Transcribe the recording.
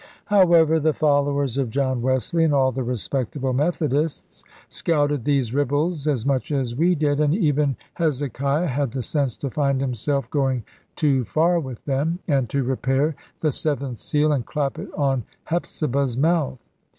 However, the followers of John Wesley, and all the respectable Methodists, scouted these ribalds as much as we did; and even Hezekiah had the sense to find himself going too far with them, and to repair the seventh seal, and clap it on Hepzibah's mouth.